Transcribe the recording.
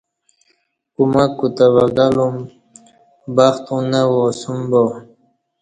کمک کوتہ وگہ لوم بخت اوں نہ وا اسوم با